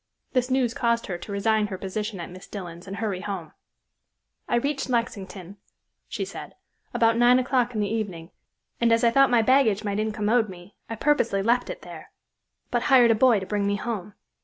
This news caused her to resign her position at Miss Dillon's and hurry home. "I reached Lexington," said she, "about nine o'clock in the evening, and as I thought my baggage might incommode me, I purposely left it there, but hired a boy to bring me home.